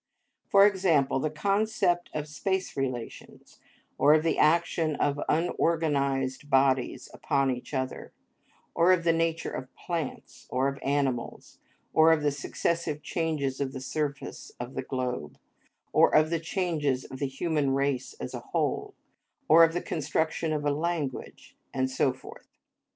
For example, the concept of space relations, or of the action of unorganised bodies upon each other, or of the nature of plants, or of animals, or of the successive changes of the surface of the globe, or of the changes of the human race as a whole, or of the construction of a language, and so forth.